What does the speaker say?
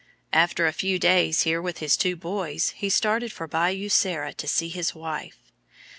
After a few days here with his two boys, he started for Bayou Sara to see his wife.